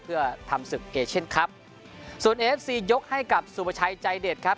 เพื่อทำศึกเอเชียนครับส่วนเอฟซียกให้กับสุประชัยใจเด็ดครับ